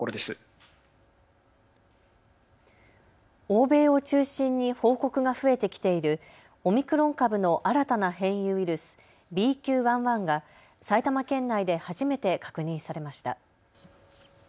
欧米を中心に報告が増えてきているオミクロン株の新たな変異ウイルス、ＢＱ．１．１が埼玉県内で初めて確認されました。